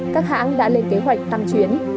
các hãng đã lên kế hoạch tăng chuyến